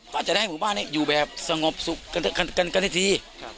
ก็จะได้หมู่บ้านอยู่แบบสงบสุขกันให้ที